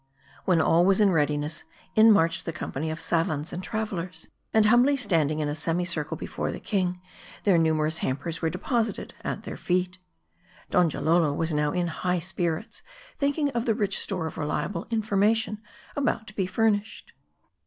When all was in readiness, in marched the company of savans and travelers ; and humbly standing in a semi circle before the king, their numerous hampers were deposited at their feet. Donjalolo was now in high spirits, thinking of the rich store of reliable information about to be furnished.